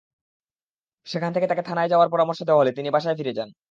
সেখান থেকে তাঁকে থানায় যাওয়ার পরামর্শ দেওয়া হলে তিনি বাসায় ফিরে যান।